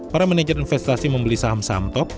para manajer investasi membeli saham saham top